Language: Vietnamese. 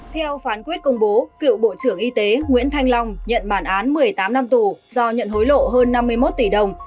theo phán quyết công bố cựu bộ trưởng y tế nguyễn thanh long nhận bản án một mươi tám năm tù do nhận hối lộ hơn năm mươi một tỷ đồng